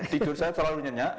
tidur saya selalu nyenyak